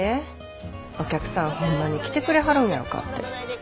お客さんホンマに来てくれはるんやろかって。